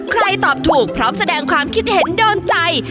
ตอบถูกพร้อมแสดงความคิดเห็นโดนใจ